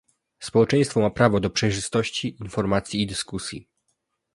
Społeczeństwo ma prawo do przejrzystości, informacji i dyskusji